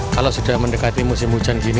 kalau sudah mendekati musim hujan gini